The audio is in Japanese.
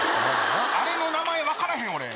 あれの名前分からへん俺。